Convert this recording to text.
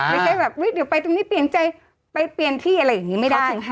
ไม่ใช่แบบอุ๊ยเดี๋ยวไปตรงนี้เปลี่ยนใจไปเปลี่ยนที่อะไรอย่างนี้ไม่ได้